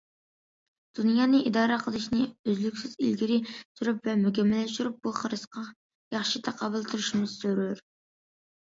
دۇنيانى ئىدارە قىلىشنى ئۈزلۈكسىز ئىلگىرى سۈرۈپ ۋە مۇكەممەللەشتۈرۈپ، بۇ خىرىسقا ياخشى تاقابىل تۇرۇشىمىز زۆرۈر.